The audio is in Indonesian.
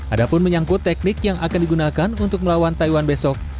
ada pun menyangkut teknik yang akan digunakan untuk melawan taiwan besok